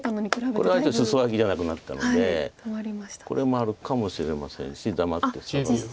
これはスソアキじゃなくなったのでこれもあるかもしれませんし黙ってサガる手も。